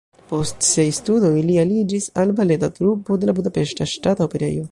Post siaj studoj li aliĝis al baleta trupo de la Budapeŝta Ŝtata Operejo.